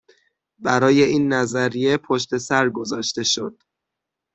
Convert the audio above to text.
برای این نظریه پشت سر گذاشته شد